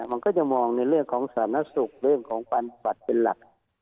มันก็จะมองในเรื่องของสาธารณสุขเรื่องของปัญบัตรเป็นหลัก